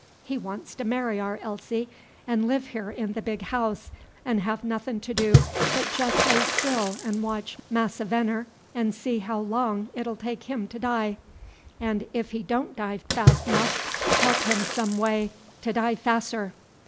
He wan's to marry our Elsie, In' live here in the big house, 'n' have nothin' to do but jes' lay still 'n' watch Massa Venner 'n' see how long 't Ill take him to die, 'n' 'f he don' die fas' 'puff, help him some way t' die fasser!